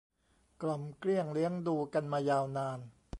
กล่อมเกลี้ยงเลี้ยงดูกันมายาวนาน